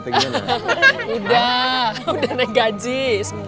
udah udah naik gaji semua